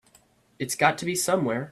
It's got to be somewhere.